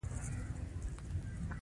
د مارسل بریون ټول کتاب پر هغه ولاړ دی.